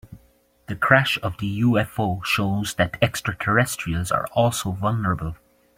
The crash of the UFO shows that extraterrestrials are also vulnerable.